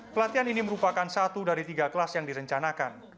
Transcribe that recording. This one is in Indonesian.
pelatihan ini merupakan satu dari tiga kelas yang direncanakan